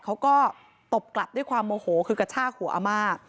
เขาก็ตบกลับด้วยความโมโหคือกระชากหัวอาม่า